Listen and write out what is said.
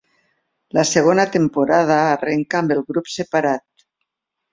La segona temporada arrenca amb el grup separat.